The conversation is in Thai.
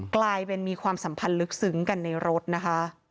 กลายเป็นมีความสัมพันธ์ลึกซึ้งกันในรถนะคะ